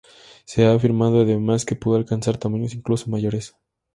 Se ha afirmado además que pudo alcanzar tamaños incluso mayores.